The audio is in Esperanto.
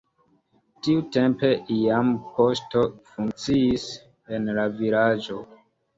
Tiutempe jam poŝto funkciis en la vilaĝo.